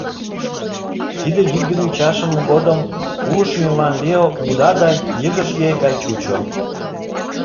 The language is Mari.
Тиде йӱкдымӧ ӱчашымаш годым уло шӱмемлан Лео уда да йыгыжге гай чучо.